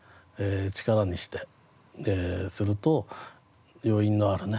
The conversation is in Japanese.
力にすると余韻のあるね